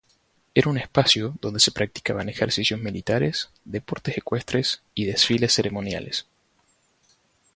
Era un espacio donde se practicaban ejercicios militares, deportes ecuestres y desfiles ceremoniales.